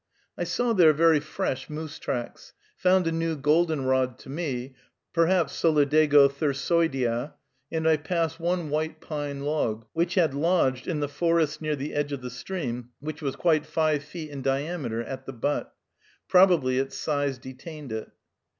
I saw there very fresh moose tracks, found a new goldenrod to me (perhaps Solidago thyrsoidea), and I passed one white pine log, which had lodged, in the forest near the edge of the stream, which was quite five feet in diameter at the butt. Probably its size detained it.